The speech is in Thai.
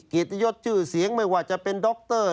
เกตยศจือเสียงไม่ว่าจะเป็นด็อกเตอร์